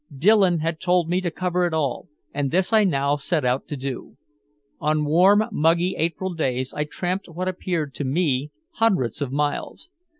Dillon had told me to cover it all, and this I now set out to do. On warm muggy April days I tramped what appeared to me hundreds of miles.